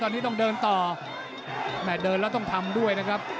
ตอนนี้ต้องเดินต่อแม่เดินแล้วต้องทำด้วยนะครับ